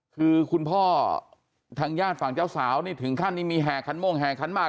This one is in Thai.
คือคุณพ่อทางญาติฝั่งเจ้าสาวนี่ถึงขั้นนี้มีแห่ขันม่งแห่ขันมาก